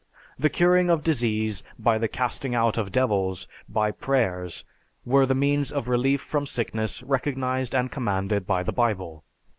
The curing of disease by the casting out of devils, by prayers, were the means of relief from sickness recognized and commanded by the Bible.